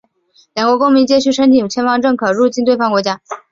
两国公民皆须申请签证方可入境对方国家。